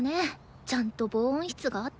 ちゃんと防音室があって。